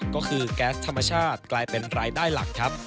ก็คือแก๊สธรรมชาติกลายเป็นรายได้หลักครับ